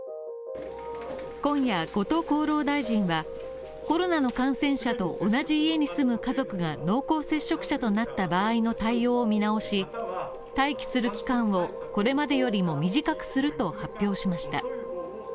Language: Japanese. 今夜後藤厚労大臣はコロナの感染者と同じ家に住む家族が濃厚接触者となった場合の対応を見直し待機する期間をこれまでよりも短くすると発表しました。